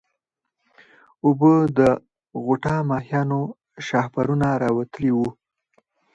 اوبه د غوټه ماهيانو شاهپرونه راوتلي وو.